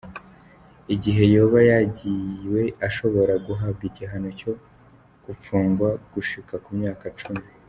Igihe yoba yagiwe, ashobora guhabwa igihano co gupfungwa gushika ku myaka cumi.